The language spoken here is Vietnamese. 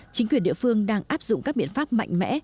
chính quyền địa phương đang áp dụng các biện pháp mạnh mẽ